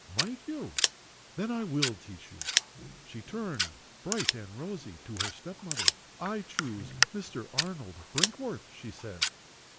"Might you? Then I will teach you!" She turned, bright and rosy, to her step mother. "I choose Mr. Arnold Brinkworth," she said.